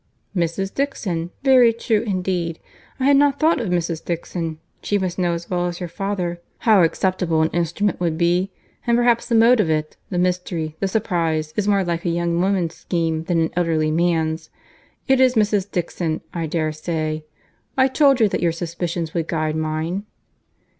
"Mrs. Dixon! very true indeed. I had not thought of Mrs. Dixon. She must know as well as her father, how acceptable an instrument would be; and perhaps the mode of it, the mystery, the surprize, is more like a young woman's scheme than an elderly man's. It is Mrs. Dixon, I dare say. I told you that your suspicions would guide mine."